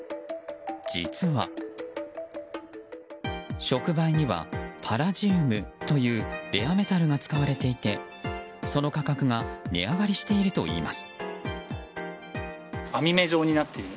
実は、触媒にはパラジウムというレアメタルが使われていてその価格が値上がりしているといいます。